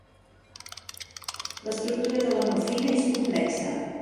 L'estructura de la morfina és complexa.